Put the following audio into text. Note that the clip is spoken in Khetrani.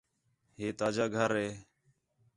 ہے تاجا گھر ہے؟